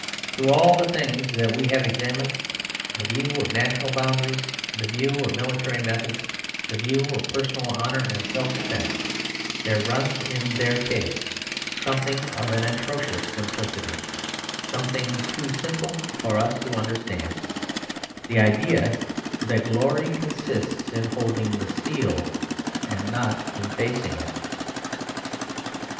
Through all the things that we have examined, the view of national boundaries, the view of military methods, the view of personal honour and self defence, there runs in their case something of an atrocious simplicity; something too simple for us to understand: the idea that glory consists in holding the steel, and not in facing it.